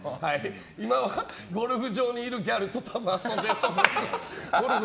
今はゴルフ場にいるギャルと遊んでいると思う。